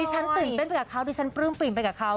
ที่ฉันตื่นเป็นไปกับเค้าที่ฉันปลื้มปิ่นไปกับเค้า